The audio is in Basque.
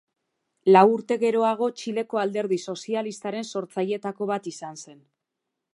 Lau urte geroago Txileko Alderdi Sozialistaren sortzaileetako bat izan zen.